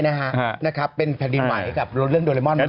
ไม่ใช่นะครับเป็นแผ่นดินใหม่กับเรื่องโดรมอนด์